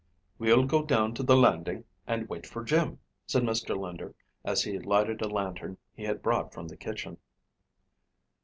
"We'll go down to the landing and wait for Jim," said Mr. Linder as he lighted a lantern he had brought from the kitchen.